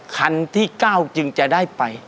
คันที่๙จึงจะได้ไป